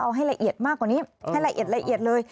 เอาให้ละเอียดมากกว่านี้ให้ละเอียดละเอียดเลย